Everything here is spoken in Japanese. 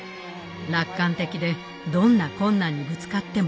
楽観的でどんな困難にぶつかっても耐え抜く。